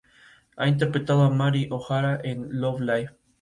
Por su trabajo en Ayacucho recibió amenazas.